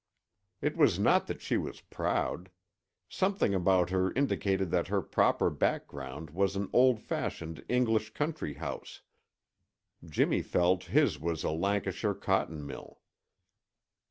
It was not that she was proud. Something about her indicated that her proper background was an old fashioned English country house; Jimmy felt his was a Lancashire cotton mill.